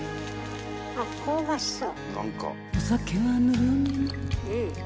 あっ香ばしそう。